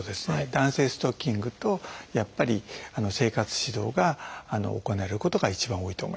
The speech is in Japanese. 弾性ストッキングとやっぱり生活指導が行われることが一番多いと思います。